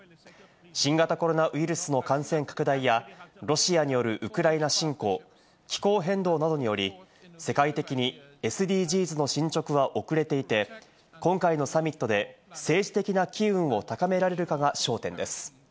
新型コロナウイルスの感染拡大や、ロシアによるウクライナ侵攻、気候変動などにより、世界的にＳＤＧｓの進捗は遅れていて、今回のサミットで政治的な機運を高められるかが焦点です。